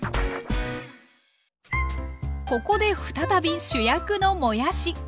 ここで再び主役のもやし。